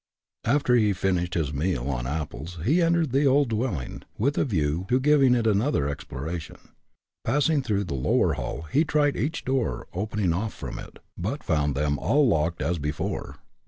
After he finished his meal on apples, he entered the old dwelling, with a view to giving it another exploration. Passing through the lower hall, he tried each door opening off from it, but found them all locked, as before.